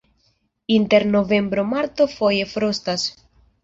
Inter novembro-marto foje frostas.